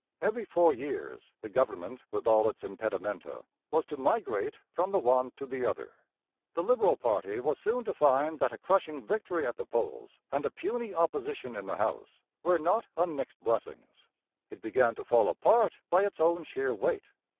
Every four years the government with all its impedimenta was to migrate from the one to the other. The Liberal party was soon to find that a crushing victory at the polls and a puny opposition in the House were not unmixed blessings. It began to fall apart by its own sheer weight.